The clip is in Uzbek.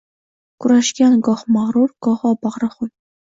Kurashgan goh mag’rur, goho bag’ri xun.